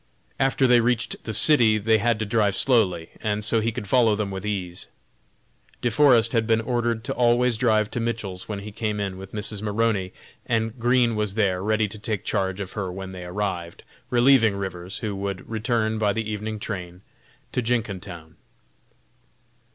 After they reached the city they had to drive slowly, and so he could follow them with ease. De Forest had been ordered to always drive to Mitchell's when he came in with Mrs. Maroney, and Green was there ready to take charge of her when they arrived, relieving Rivers, who would return by the evening train to Jenkintown.